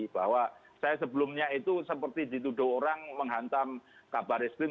bahwa saya sebelumnya itu seperti dituduh orang menghantam kabar eskrim